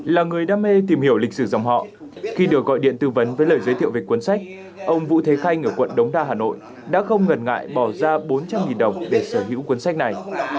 là người đam mê tìm hiểu lịch sử dòng họ khi được gọi điện tư vấn với lời giới thiệu về cuốn sách ông vũ thế khanh ở quận đống đa hà nội đã không ngần ngại bỏ ra bốn trăm linh đồng để sở hữu cuốn sách này